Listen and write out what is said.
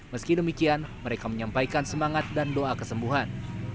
meski demikian mereka menyampaikan semangat dan doa kesembuhan